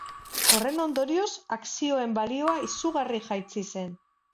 Horren ondorioz, akzioen balioa izugarri jaitsi zen.